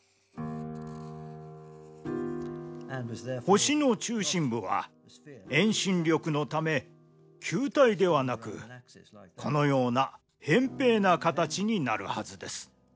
星の中心部は遠心力のため球体ではなくこのようなへん平な形になるはずです。